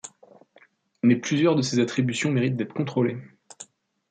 Mais plusieurs de ces attributions méritent d'être contrôlées.